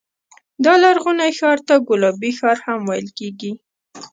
دا لرغونی ښار ته ګلابي ښار هم ویل کېږي.